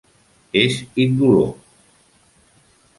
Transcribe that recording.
És indolor.